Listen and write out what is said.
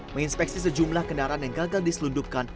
menginspeksi sejumlah kendaraan yang gagal diselundupkan